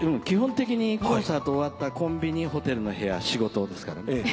基本的にコンサート終わったらコンビニホテルの部屋仕事ですからね。